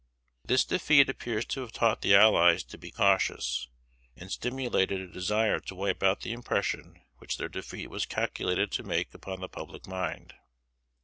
This defeat appears to have taught the allies to be cautious, and stimulated a desire to wipe out the impression which their defeat was calculated to make upon the public mind.